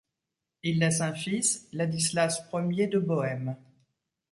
Il laisse un fils, Ladislas Ier de Bohême.